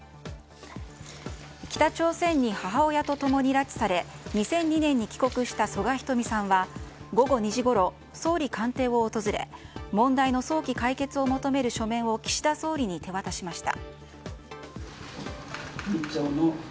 北朝鮮に母親と共に拉致され２００２年に帰国した曽我ひとみさんは午後２時ごろ、総理官邸を訪れ問題の早期解決を求める書面を岸田総理に手渡しました。